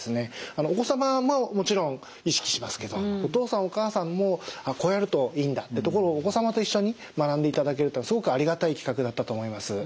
お子様ももちろん意識しますけどお父さんお母さんもこうやるといいんだってところをお子様と一緒に学んでいただけるとすごくありがたい企画だったと思います。